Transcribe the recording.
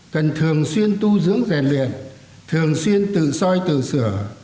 cần thường xuyên tu dưỡng rèn luyện thường xuyên tự soi tự sửa